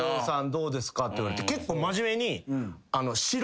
どうですか？って言われて結構真面目に。